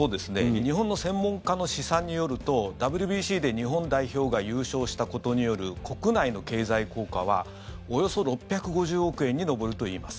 日本の専門家の試算によるとＷＢＣで日本代表が優勝したことによる国内の経済効果はおよそ６５０億円に上るといいます。